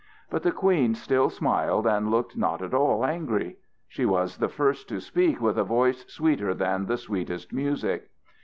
But the queen still smiled and looked not at all angry. She was the first to speak with a voice sweeter than the sweetest music.